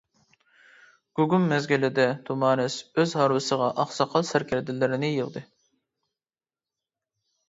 گۇگۇم مەزگىلىدە تۇمارىس ئۆز ھارۋىسىغا ئاقساقال، سەركەردىلىرىنى يىغدى.